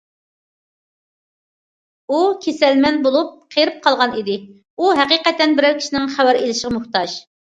ئۇ كېسەلمەن بولۇپ، قېرىپ قالغان ئىدى، ئۇ ھەقىقەتەن بىرەر كىشىنىڭ خەۋەر ئېلىشىغا موھتاج.